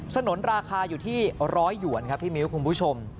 สนุนราคาอยู่ที่ร้อยหยวนครับพี่มิ้วคุณผู้ชม